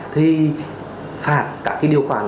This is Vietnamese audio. thì phạt các điều khoản